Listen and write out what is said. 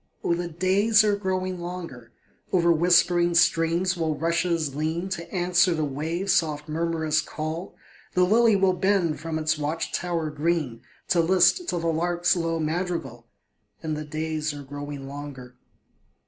Oh, the days are growing longer; Over whispering streams will rushes lean, To answer the waves' soft murmurous call; The lily will bend from its watch tower green, To list to the lark's low madrigal, And the days are growing longer.